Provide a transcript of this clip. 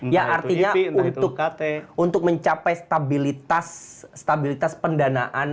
ya artinya untuk mencapai stabilitas pendanaan